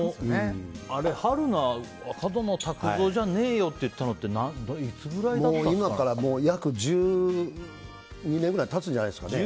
春菜が角野卓造じゃねーよ！って言ったのは今からもう約１２年ぐらい経つんじゃないですかね。